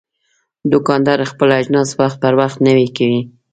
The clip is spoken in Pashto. دوکاندار خپل اجناس وخت پر وخت نوی کوي.